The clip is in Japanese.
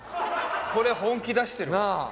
これ本気出してる。なあ！